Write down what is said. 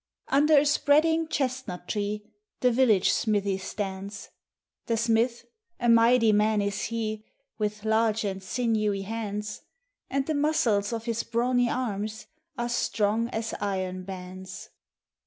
Under a spreading chestnut tree The village smithy stands; ^ The smith, a mighty man is he. With large and sinewy hands; And the muscles of his brawny arms Are strong as iron bands.